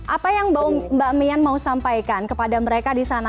apa yang mbak mian mau sampaikan kepada mereka di sana